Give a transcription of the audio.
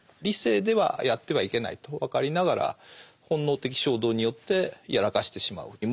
理性ではやってはいけないと分かりながら本能的衝動によってやらかしてしまう。